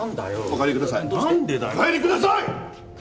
お帰りください！